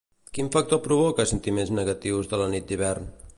Quin factor provoca sentiments negatius de la nit d'hivern?